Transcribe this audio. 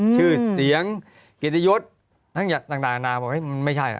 ชื่อเสียงเกตยศทั้งอย่างต่างอาณาบอกว่าไม่ใช่